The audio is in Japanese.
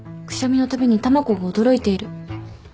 くしゃみのたびにたまこが驚いている。